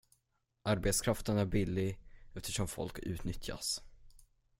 Arbetskraften är billig eftersom folk utnyttjas.